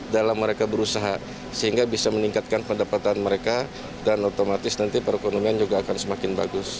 dalam mereka berusaha sehingga bisa meningkatkan pendapatan mereka dan otomatis nanti perekonomian juga akan semakin bagus